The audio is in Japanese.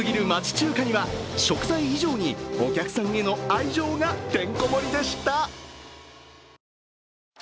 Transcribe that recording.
中華には食材以上にお客さんへの愛情がてんこ盛りでした。